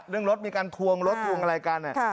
เรื่องรถมีการทวงรถทวงอะไรกัน